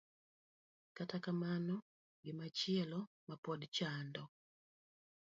Kata kamano, gimachielo ma pod chando